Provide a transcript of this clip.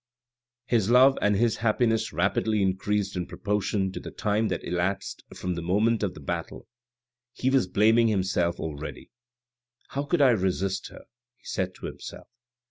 His love and his happiness rapidly increased in proportion to the time that elapsed from the moment of the battle. He was blaming himself already. " How could I resist her?" he said to himself.